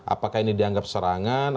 apakah ini dianggap serangan